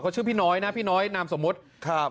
เขาชื่อพี่น้อยนะพี่น้อยนามสมมุติครับ